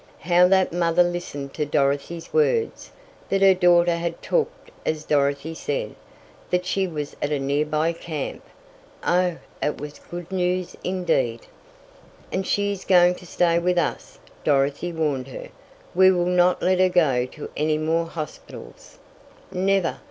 How that mother listened to Dorothy's words! That her daughter had talked as Dorothy said, that she was at a nearby camp Oh, it was good news indeed! "And she is going to stay with us," Dorothy warned her. "We will not let her go to any more hospitals." "Never!"